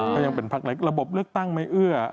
ถ้ายังเป็นพักเล็กระบบเลือกตั้งไม่เอื้อ